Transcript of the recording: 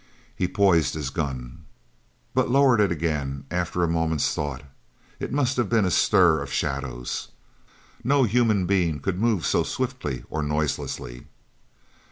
He poised his gun, but lowered it again after a moment's thought. It must have been a stir of shadows. No human being could move so swiftly or so noiselessly.